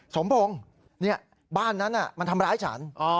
สมพงศ์บ้านนั้นมันทำร้ายฉัน